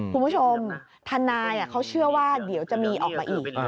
คุณผู้ชมทะนายเขาเชื่อว่าเดี๋ยวจะมีออกมาอีก